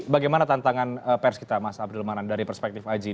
bagaimana tantangan pers kita mas abdul manan dari perspektif aji